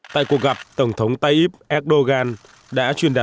tại cuộc gặp tổng thống tayyip erdogan